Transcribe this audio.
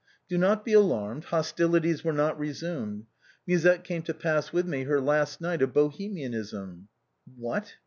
" Do not be alarmed ; hostilities were not resumed. Musette came to pass with me her last night of Bohemian ism." "What?"